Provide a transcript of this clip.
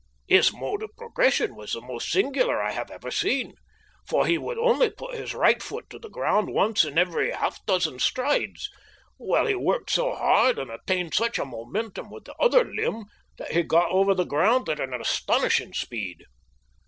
His mode of progression was the most singular I have ever seen, for he would only put his right foot to the ground once in every half dozen strides, while he worked so hard and attained such a momentum with the other limb that he got over the ground at an astonishing speed.